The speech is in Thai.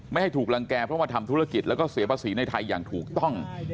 ไม่ให้ถูกรังแก่เพราะว่าทำธุรกิจแล้วก็เสียภาษีในไทยอย่างถูกต้อง